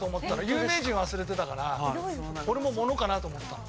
有名人忘れてたから俺も物かなと思ったの。